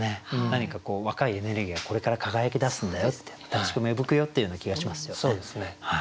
何かこう若いエネルギーがこれから輝き出すんだよっていう新しく芽吹くよっていうような気がしますよね。